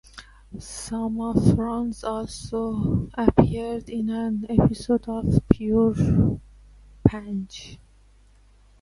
Some of the runs also appeared in an episode of "Pure Pwnage".